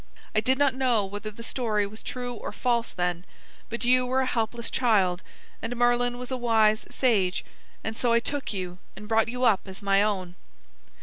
I did not know whether the story was true or false then, but you were a helpless child, and Merlin was a wise sage, and so I took you and brought you up as my own."